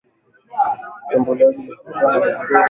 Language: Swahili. Washambuliaji wasiojulikana waliokuwa na silaha wamewaua wanajeshi